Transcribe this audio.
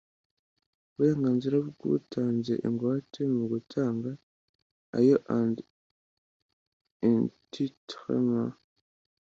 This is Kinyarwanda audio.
uburenganzira bw utanze ingwate mu gutanga ayo and entitlements